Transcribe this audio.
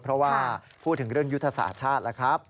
เพราะว่าพูดถึงเรื่องยุทธศาสตร์ชาติแล้วครับ